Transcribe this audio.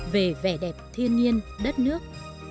về vẻ đẹp thiên nhiên đất nước